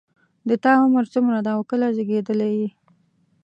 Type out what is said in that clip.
د تا عمر څومره ده او کله زیږیدلی یې